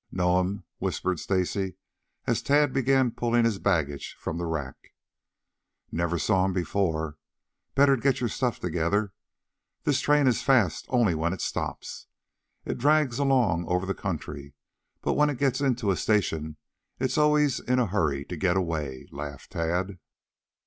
"Know 'em?" whispered Stacy as Tad began pulling his baggage from the rack. "Never saw either before. Better get your stuff together. This train is fast only when it stops. It drags along over the country, but when it gets into a station it's always in a hurry to get away," laughed Tad.